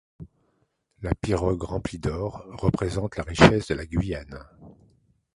La pirogue remplie d'or représente la richesse de la Guyane.